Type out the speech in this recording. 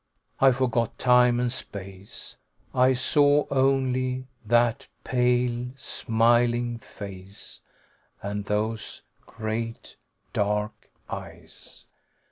I forgot time and space. I saw only that pale, smiling face and those great dark eyes.